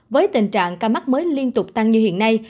với tình trạng ca mắc mới liên tục tăng như hiện nay